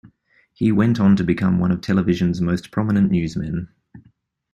He went on to become one of television's most prominent newsmen.